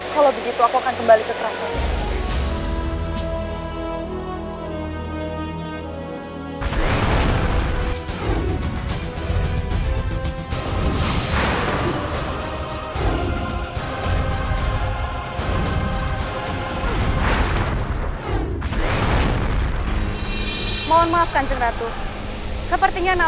kalau begitu aku akan kembali ke keratunya